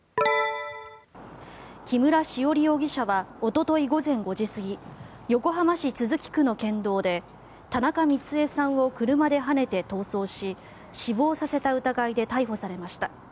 木村栞容疑者はおととい午前５時過ぎ横浜市都筑区の県道で田中ミツエさんを車ではねて逃走し死亡させた疑いで逮捕されました。